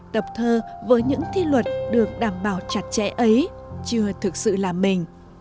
tập thơ với những thi luật được đảm bảo chặt chẽ ấy chưa thực sự là mình